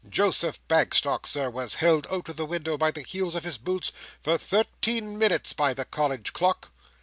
Joseph Bagstock, Sir, was held out of the window by the heels of his boots, for thirteen minutes by the college clock."